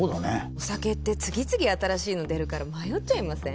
お酒って次々新しいの出るから迷っちゃいません？